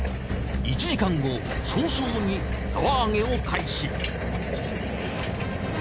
１時間後早々に縄上げを開始。